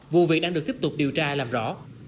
vụ việc đang được tiếp tục điều tra làm rõ